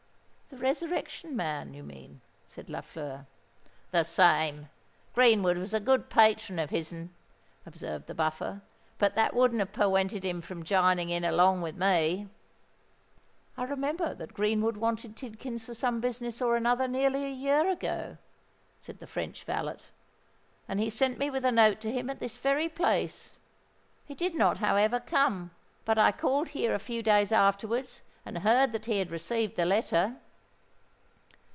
"The Resurrection Man, you mean?" said Lafleur. "The same. Greenwood was a good patron of his'n," observed the Buffer; "but that wouldn't have perwented him from jining in along with me." "I remember that Greenwood wanted Tidkins for some business or another nearly a year ago," said the French valet; "and he sent me with a note to him at this very place. He did not, however, come; but I called here a few days afterwards, and heard that he had received the letter."